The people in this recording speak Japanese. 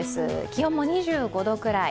気温も２５度くらい。